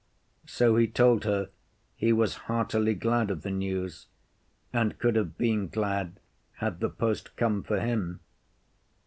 So he told her he was heartily glad of the news, and could have been glad had the post come for him.